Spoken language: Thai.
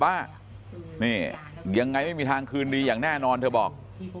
ว่านี่ยังไงไม่มีทางคืนดีอย่างแน่นอนเธอบอก